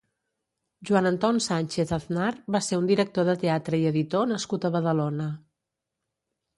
Joan Anton Sànchez Aznar va ser un director de teatre i editor nascut a Badalona.